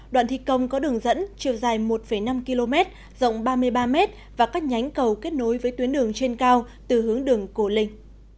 đoạn thi công có đường dẫn chiều dài một năm km rộng ba mươi ba m và các nhánh cầu kết nối với tuyến đường trên cao từ hướng đường cổ linh